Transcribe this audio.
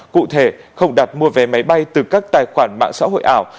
cụ thể không đặt mua vé máy bay từ các tài khoản mạng xã hội ảo